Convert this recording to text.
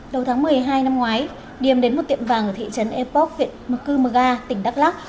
đầu tháng một mươi hai năm ngoái điềm đến một tiệm vàng ở thị trấn epoch huyện mekumaga tỉnh đắk lắk